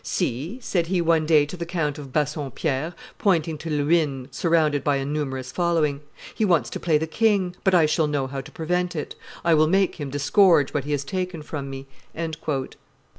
"See," said he one day to the Count of Bassompierre, pointing to Luynes surrounded by a numerous following: "he wants to play the king, but I shall know how to prevent it; I will make him disgorge what he has taken from me."